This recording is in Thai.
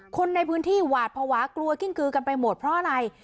คนในพื้นที่หวาดภาวะกลัวกิ้งกือกันไปหมดเพราะอะไร